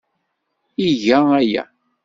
Iga aya.